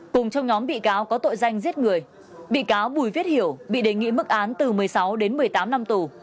cùng trong nhóm bị cáo có tội danh giết người bị cáo bùi viết hiểu bị đề nghị mức án từ một mươi sáu đến một mươi tám năm tù